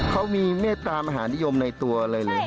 เขามีเมตตามหานิยมในตัวอะไรเลย